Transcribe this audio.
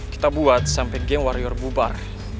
kita buat sampai game wario war bubar